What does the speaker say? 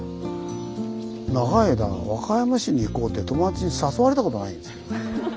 長い間「和歌山市に行こう」って友達に誘われたことないんですけどね。